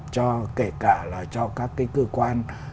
cho kể cả là cho các cái cơ quan